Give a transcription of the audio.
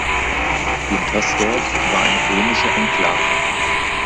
Günthersdorf war eine böhmische Enklave.